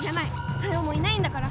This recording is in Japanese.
ソヨもいないんだから。